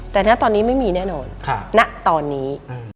แต่หน้าตอนนี้ไม่มีแน่นอนหน้าตอนนี้